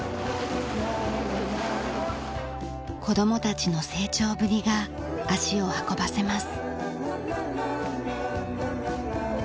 子供たちの成長ぶりが足を運ばせます。